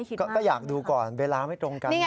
ก็อยากดูก่อนเวลาไม่ตรงกัน